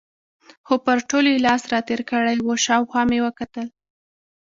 خو پر ټولو یې لاس را تېر کړی و، شاوخوا مې وکتل.